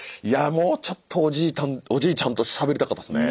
もうちょっとおじいちゃんとしゃべりたかったですね。